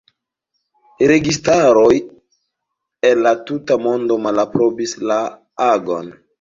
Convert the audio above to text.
Registaroj el la tuta mondo malaprobis la agon.